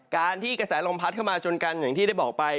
การที่กระแสลมพัดเข้ามาจนกันอย่างที่ได้บอกไป